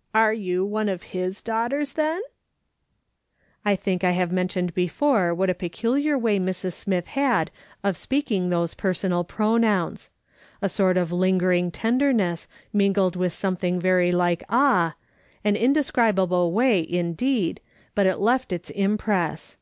" You are one of his daughters, then ?" I think I have mentioned before what a peculiar way Mrs. Smith had of speaking those personal jDronouns. A sort of lingering tenderness, mingled with something very like awe— an indescribable way, indeed, but it left its impress.